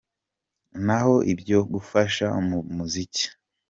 com: Naho ibyo kugufasha mu muziki.